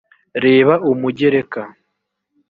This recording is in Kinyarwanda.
reba umugereka